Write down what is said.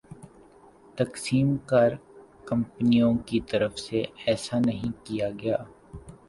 تقسیم کار کمپنیوں کی طرف سے ایسا نہیں کیا گیا